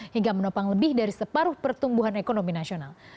hingga menopang lebih dari separuh pertumbuhan ekonomi nasional